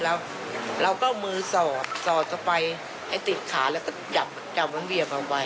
เราก็มือสอดสอดไปให้ติดขาแล้วก็จับมันเวียบเอาไป